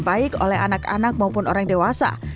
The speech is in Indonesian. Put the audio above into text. baik oleh anak anak maupun orang dewasa